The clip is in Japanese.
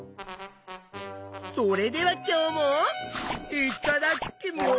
それでは今日もいっただっきます！